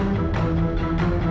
lepasin pak randy